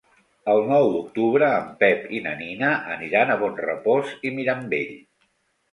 El nou d'octubre en Pep i na Nina aniran a Bonrepòs i Mirambell.